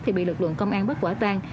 thì bị lực lượng công an bắt quả tăng